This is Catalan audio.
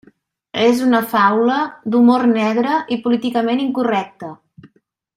És una faula d'humor negre i políticament incorrecta.